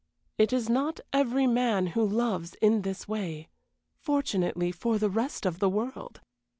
It is not every man who loves in this way fortunately for the rest of the world!